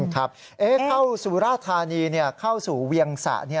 เข้าสุราธานีเข้าสู่เวียงสะ